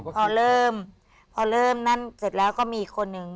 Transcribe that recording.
พอเริ่มพอเริ่มนั่นเสร็จแล้วก็มีอีกคนนึง